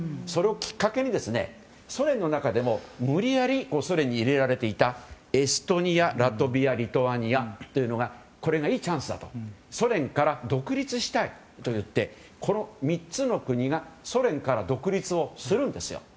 それをきっかけに、ソ連の中でも無理やりソ連に入れられていたエストニア、ラトビアリトアニアというのがこれがいいチャンスだとソ連から独立したいと言ってこの３つの国がソ連から独立をするんです。